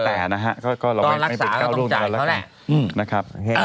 ตอนรักษาก็ต้องจ่ายแบบเธอแหละ